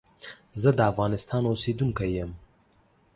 زه دافغانستان اوسیدونکی یم.